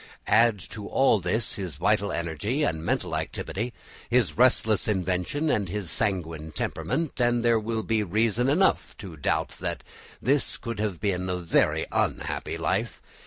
Add to all this his vital energy and mental activity, his restless invention and his sanguine temperament, and there will be reason enough to doubt whether his could have been a very unhappy life.